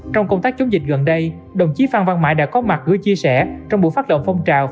trong công tác chống dịch gần đây đồng chí phan văn mãi đã có mặt gửi chia sẻ trong buổi phát động phong trào